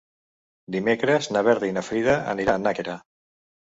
Dimecres na Berta i na Frida aniran a Nàquera.